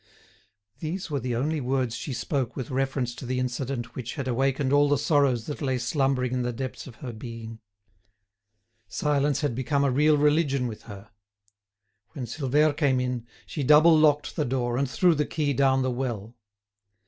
These were the only words she spoke with reference to the incident which had awakened all the sorrows that lay slumbering in the depths of her being. Silence had become a real religion with her. When Silvère came in, she double locked the door, and threw the key down the well.